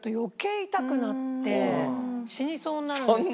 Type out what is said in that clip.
死にそうになるんですけど。